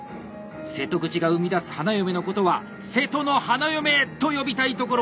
瀬戸口が生み出す花嫁のことは「瀬戸の花嫁」！と呼びたいところ。